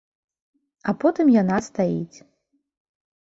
А потым яна стаіць.